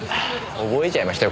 覚えちゃいましたよ